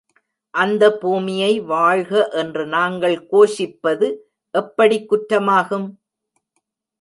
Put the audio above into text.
அந்த பூமியை வாழ்க என்று நாங்கள் கோஷிப்பது எப்படி குற்றமாகும்?